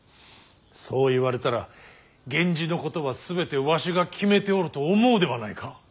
そう言われたら源氏のことは全てわしが決めておると思うではないか。